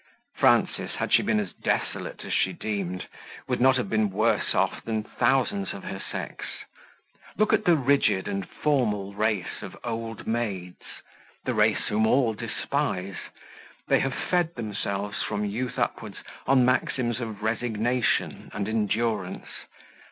Frances, had she been as desolate as she deemed, would not have been worse off than thousands of her sex. Look at the rigid and formal race of old maids the race whom all despise; they have fed themselves, from youth upwards, on maxims of resignation and endurance.